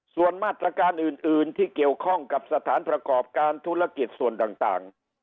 ส่วนมาตรการอื่นที่เกี่ยวข้องกับสถานประกอบการธุรกิจส่วนต่าง